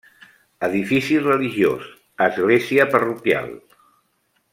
Edifici religiós, església parroquial.